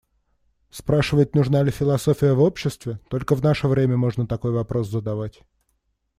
Спрашивать «нужна ли философия в обществе» - только в наше время можно такой вопрос задавать.